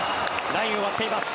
ラインを割っています。